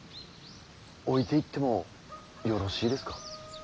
置いていってもよろしいですか。